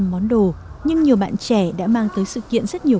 năm món đồ nhưng nhiều bạn trẻ đã mang tới sự kiện rất nhiều